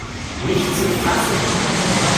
Nicht zu fassen!